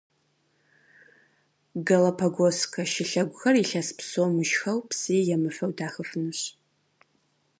Галапагосскэ шылъэгухэр илъэс псо мышхэу, псыи емыфэу дахыфынущ.